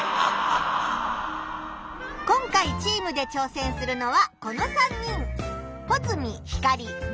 今回チームでちょうせんするのはこの３人。